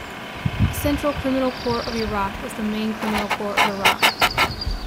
The Central Criminal Court of Iraq is the main criminal court of Iraq.